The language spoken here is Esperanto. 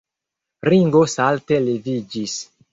Ringo salte leviĝis.